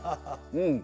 うん。